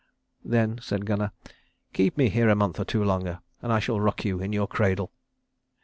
"Then," said Gunnar, "keep me here a month or two longer and I shall rock you in your cradle."